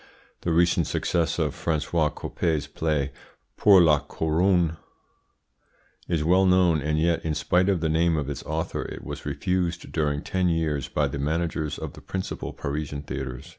The recent success of Francois Coppee's play "Pour la Couronne" is well known, and yet, in spite of the name of its author, it was refused during ten years by the managers of the principal Parisian theatres.